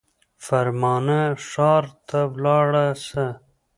فرمانه ښار ته ولاړ سه.